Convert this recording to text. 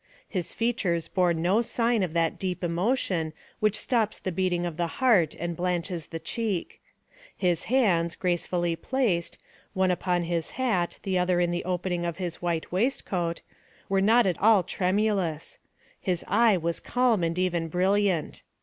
His features bore no sign of that deep emotion which stops the beating of the heart and blanches the cheek. His hands, gracefully placed, one upon his hat, the other in the opening of his white waistcoat, were not at all tremulous; his eye was calm and even brilliant.